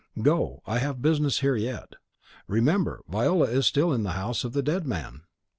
Go; I have business here yet. Remember, Viola is still in the house of the dead man!"